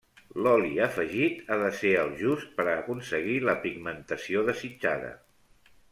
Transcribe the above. L'oli afegit ha de ser el just per a aconseguir la pigmentació desitjada.